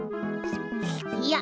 いや